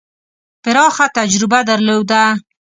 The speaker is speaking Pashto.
پراخه تجربه درلوده.